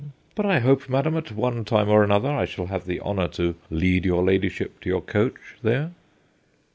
But I hope, madam, at one time or other, I shall have the honour to lead your ladyship to your coach there.